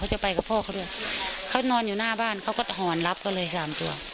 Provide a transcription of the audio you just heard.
จะไปกับพ่อเขาด้วยเขานอนอยู่หน้าบ้านเขาก็หอนรับเขาเลยสามตัว